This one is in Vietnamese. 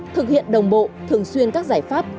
thực hiện đồng bộ thường xuyên các giải pháp